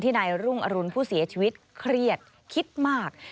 นายรุ่งอรุณผู้เสียชีวิตเครียดคิดมาก